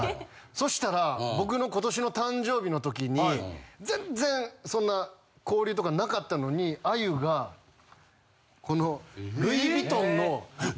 そしたら僕の今年の誕生日の時に全然そんな交流とかなかったのにあゆがこの。